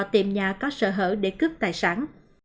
tìm nhà có sở hở để cướp tài sản